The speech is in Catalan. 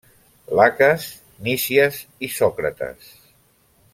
Laques, Nícies i Sòcrates.